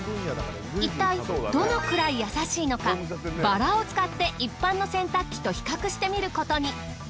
いったいどのくらい優しいのかバラを使って一般の洗濯機と比較してみることに。